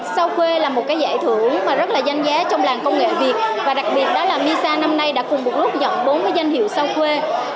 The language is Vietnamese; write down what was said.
sao khuê là một cái giải thưởng mà rất là danh giá trong làng công nghệ việt và đặc biệt đó là misa năm nay đã cùng một lúc nhận bốn cái danh hiệu sao khuê